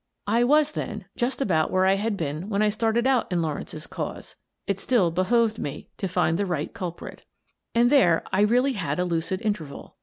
I was, then, just about where I had been when I started out in Lawrence's cause : it still behoved me to find the real culprit. And there I really had a lucid interval.